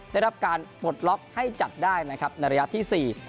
ได้รับการปลดล็อกให้จับได้นะครับในระยะที่สี่